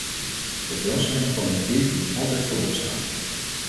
Het welzijn van het kind moet altijd voorop staan.